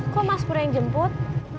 kok mas pura yang jemput